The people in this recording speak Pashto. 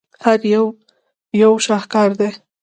هر یو یې یو شاهکار دی.